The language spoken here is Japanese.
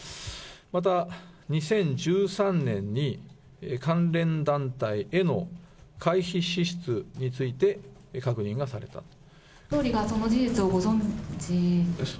また２０１３年に、関連団体への会費支出について確認がされたと。